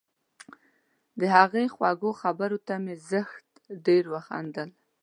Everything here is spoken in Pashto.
د هغې خوږو خبرو ته مې زښت ډېر وخندل